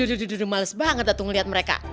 aduh males banget tuh ngeliat mereka